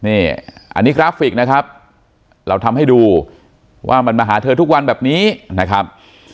นี่อันนี้กราฟิกนะครับเราทำให้ดูว่ามันมาหาเธอทุกวันแบบนี้นะครับ